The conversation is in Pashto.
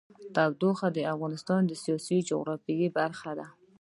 تودوخه د افغانستان د سیاسي جغرافیه برخه ده.